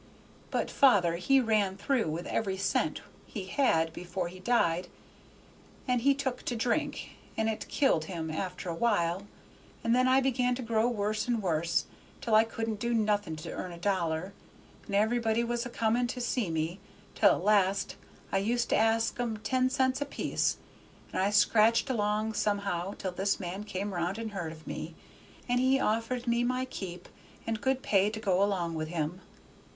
But father he run through with every cent he had before he died, and 'he' took to drink and it killed him after a while, and then I begun to grow worse and worse, till I couldn't do nothing to earn a dollar, and everybody was a coming to see me, till at last I used to ask 'em ten cents apiece, and I scratched along somehow till this man came round and heard of me, and he offered me my keep and good pay to go along with him.